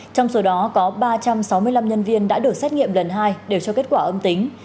trong số đó có ba trăm sáu mươi năm nhân viên đã được xét nghiệm lần hai đều cho kết quả âm tính